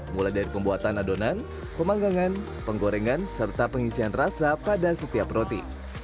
mulai dari pembuatan adonan pemanggangan penggorengan serta pengisian rasa pada setiap roti